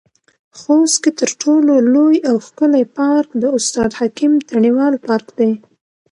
خوست کې تر ټولو لوى او ښکلى پارک د استاد حکيم تڼيوال پارک دى.